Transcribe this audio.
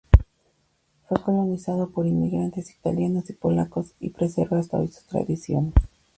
Fue colonizado por inmigrantes italianos y polacos, y preserva hasta hoy sus tradiciones.